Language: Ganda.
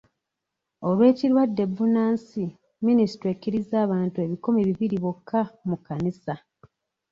"Olw'ekirwadde bbunansi, minisitule ekkiriza abantu ebikumi bibiri bokka mu kkanisa."